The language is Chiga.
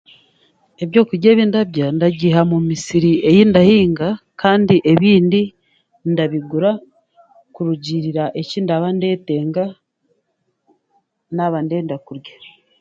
Ebyokurya ebi ndarya ndabiiha mumisiri ei ndahinga kandi ebindi ndabigura kurugirira ekindaba ndeetenga naaba ndeenda kurya